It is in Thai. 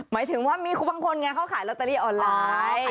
หมายถึงว่ามีบางคนไงเขาขายลอตเตอรี่ออนไลน์